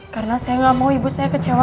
karena saya gak mau ibu saya kecewa